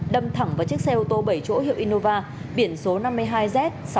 đâm thẳng vào chiếc xe ô tô bảy chỗ hiệu innova biển số năm mươi hai z sáu nghìn sáu mươi sáu